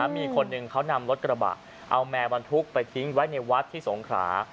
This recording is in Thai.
มีคนหนึ่งเขานำรถกระบะเอาแมวบรรทุกไปทิ้งไว้ในวัดที่สงขรา